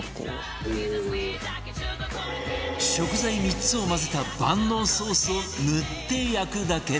食材３つを混ぜた万能ソースを塗って焼くだけ